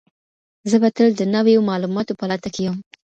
زه به تل د نويو معلوماتو په لټه کي یم.